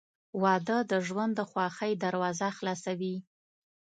• واده د ژوند د خوښۍ دروازه خلاصوي.